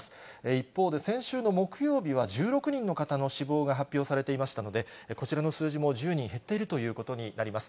一方で、先週の木曜日は１６人の方の死亡が発表されていましたので、こちらの数字も１０人減っているということになります。